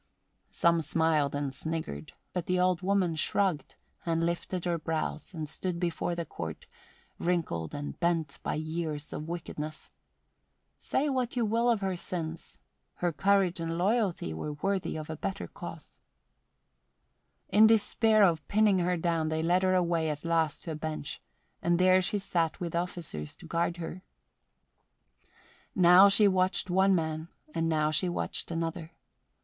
Some smiled and sniggered; but the old woman shrugged, and lifted her brows, and stood before the Court, wrinkled and bent by years of wickedness. Say what you will of her sins, her courage and loyalty were worthy of a better cause. In despair of pinning her down, they led her away at last to a bench and there she sat with officers to guard her. Now she watched one man and now she watched another.